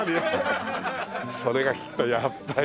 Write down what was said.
それが聞きたいやっぱり。